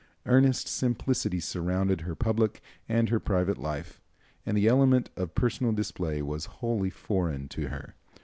Earnest simplicity surrounded her public and her private life, and the element of personal display was wholly foreign to her.